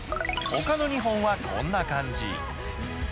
ほかの２本はこんな感じ。